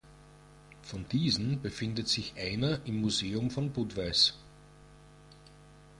Von diesen befindet sich einer im Museum von Budweis.